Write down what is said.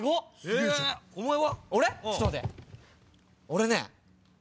俺ね。